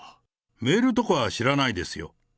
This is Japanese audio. メールとかは知らないですよ。